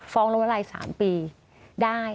ฟองโลเวอร์ไลน์๓ปีได้